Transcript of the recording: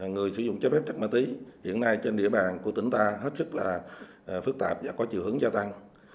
người sử dụng trái phép chất ma túy hiện nay trên địa bàn của tỉnh ta hết sức là phức tạp và có chiều hướng gia tăng